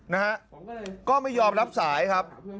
นะฮะก็ไม่ยอมรับสายครับ